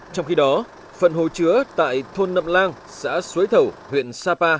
trong khi đó phần hồ chứa tại thôn nậm lang xã xuế thẩu huyện sapa